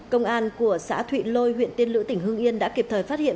công an của xã thụy lôi huyện tiên lữ tỉnh hương yên đã kịp thời phát hiện